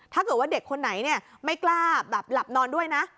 ถ้าเกิดว่าเด็กคนไหนไม่กล้าแบบหลับนอนด้วยนะ